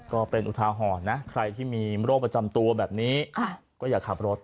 ก็เป็นอุทาหรณ์นะใครที่มีโรคประจำตัวแบบนี้ก็อย่าขับรถ